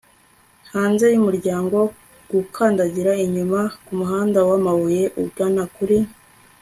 hanze yumuryango, gukandagira inyuma kumuhanda wamabuye ugana kuri